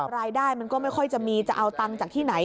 รายได้มันก็ไม่ค่อยจะมีจะเอาตังค์จากที่ไหน